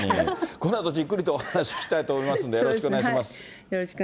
このあとじっくりとお話聞きたいと思いますので、よろしくお願いします。